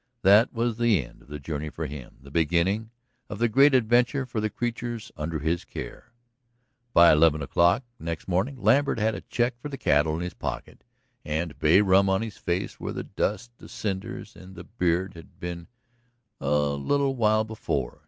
That was the end of the journey for him, the beginning of the great adventure for the creatures under his care. By eleven o'clock next morning, Lambert had a check for the cattle in his pocket, and bay rum on his face where the dust, the cinders and the beard had been but a little while before.